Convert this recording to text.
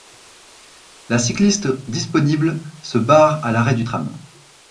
La cycliste disponible se barre à l'arrêt du tram.